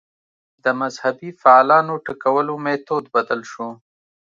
د مذهبي فعالانو ټکولو میتود بدل شو